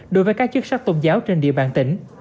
đối với các chức sắc tôn giáo trên địa bàn tỉnh